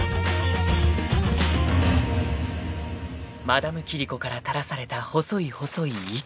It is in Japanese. ［マダムキリコから垂らされた細い細い糸］